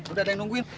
nggak ada yang nungguin